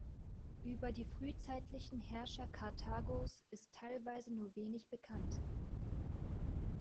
Über die frühzeitlichen Herrscher Karthagos ist teilweise nur wenig bekannt.